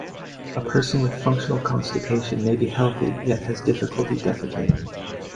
A person with functional constipation may be healthy, yet has difficulty defecating.